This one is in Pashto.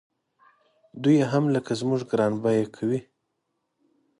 دوی یې هم لکه زموږ ګران بیه کوي.